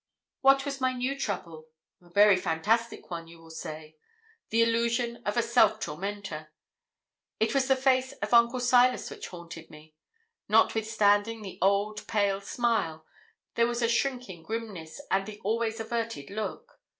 What was my new trouble? A very fantastic one, you will say the illusion of a self tormentor. It was the face of Uncle Silas which haunted me. Notwithstanding the old pale smile, there was a shrinking grimness, and the always averted look.